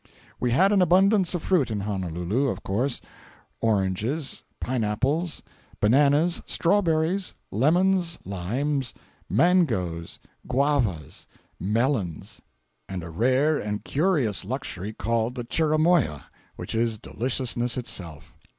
We had an abundance of fruit in Honolulu, of course. Oranges, pine apples, bananas, strawberries, lemons, limes, mangoes, guavas, melons, and a rare and curious luxury called the chirimoya, which is deliciousness itself.